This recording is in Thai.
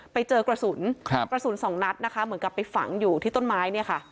ไปเจอกระสุนกระสุนสองนัดนะคะเหมือนกับไปฝังอยู่ที่ต้นไม้เนี่ยค่ะ